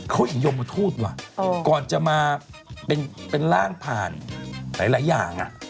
เขาหญิงยมทูตว่ะก่อนจะมาเป็นร่างผ่านหลายอย่าง